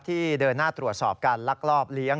เดินหน้าตรวจสอบการลักลอบเลี้ยง